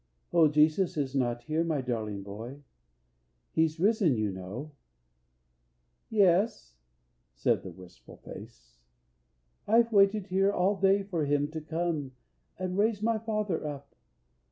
"O Jesus is not here, my darling boy, He's risen, you know." "Yes," said the wistful face, "I've waited here all day for Him to come And raise my father up.